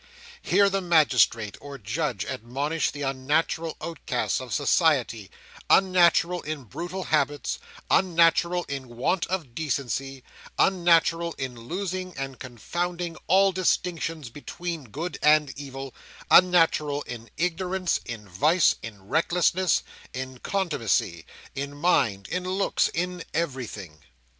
Hear the magistrate or judge admonish the unnatural outcasts of society; unnatural in brutal habits, unnatural in want of decency, unnatural in losing and confounding all distinctions between good and evil; unnatural in ignorance, in vice, in recklessness, in contumacy, in mind, in looks, in everything.